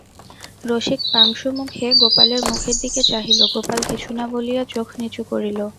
রসিক পাংশুমুখে গোপালের মুখের দিকে চাহিল, গোপাল কিছু না বলিয়া চোখ নিচু করিল।